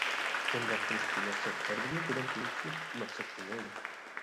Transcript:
بۇنداق قىلىشتىكى مەقسەت ھەرگىزمۇ تۆلەم تۆلىتىشنى تۈپ مەقسەت قىلمايدۇ.